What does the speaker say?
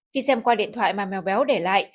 khi xem qua điện thoại mà mèo béo để lại